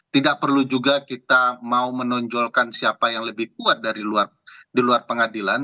tidak perlu juga kita mau menonjolkan siapa yang lebih kuat dari luar pengadilan